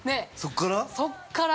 ◆そっから？